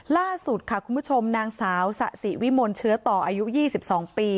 ล่าสุดค่ะคุณผู้ชมนางสาวสะสิวิมลเชื้อต่ออายุ๒๒ปี